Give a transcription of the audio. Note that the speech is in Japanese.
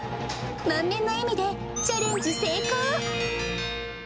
満面の笑みでチャレンジ成功。